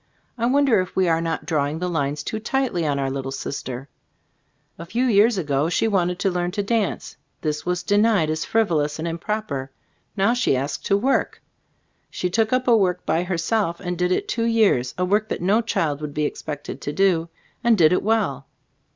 I wonder if we are not drawing the lines too tightly on our little sister? A few years ago she wanted to learn to Gbe ©tors of As CbU&boofc 103 dance; this was denied as frivolous and improper ; now she asks to work. She took up a work by herself and did it two years, a work that no child would be expected to do, and did it well.